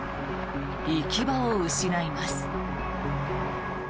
行き場を失います。